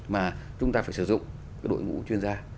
mà chúng ta phải sử dụng cái đội ngũ chuyên gia